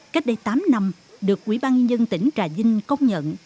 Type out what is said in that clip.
cách đây tám năm được quỹ ban nhân tỉnh trà vinh công nhận